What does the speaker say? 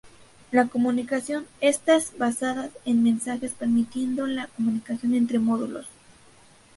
La comunicación estás basada en mensajes, permitiendo la comunicación entre módulos.